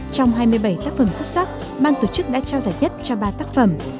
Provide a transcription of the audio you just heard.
trong hai mươi bảy tác phẩm xuất sắc ban tổ chức đã trao giải nhất cho ba tác phẩm